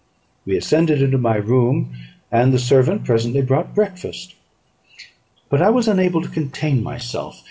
We ascended into my room, and the servant presently brought breakfast; but I was unable to contain myself.